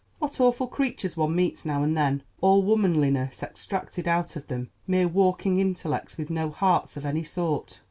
What awful creatures one meets now and then! All womanliness extracted out of them—mere walking intellects with no hearts of any sort."